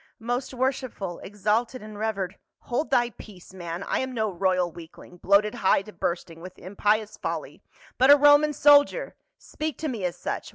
" Most worshipful, exalted, and revered —"" Hold thy peace, man, I am no royal weakling, bloated nigh to bursting with impious folly, but a Roman soldier ; speak to me as such.